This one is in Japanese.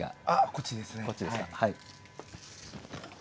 こっちですか。